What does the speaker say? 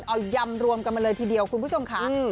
เอายำรวมกันมาเลยทีเดียวคุณผู้ชมค่ะ